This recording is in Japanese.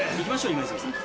今泉さん。